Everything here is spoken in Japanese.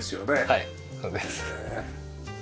はいそうです。ねえ。